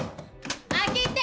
開けて！